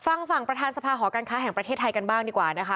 ฟังฝั่งประธานสภาหอการค้าแห่งประเทศไทยกันบ้างดีกว่านะคะ